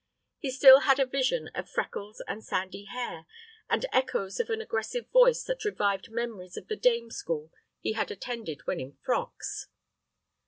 He still had a vision of freckles and sandy hair, and echoes of an aggressive voice that revived memories of the dame school he had attended when in frocks.